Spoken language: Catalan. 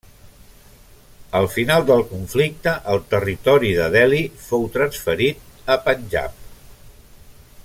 Al final del conflicte el territori de Delhi fou transferit a Panjab.